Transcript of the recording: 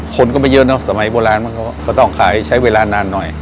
คนก็ไม่เยอะเนอะสมัยโบราณมันก็ต้องขายใช้เวลานานหน่อย